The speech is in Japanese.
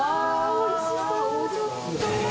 おいしそう。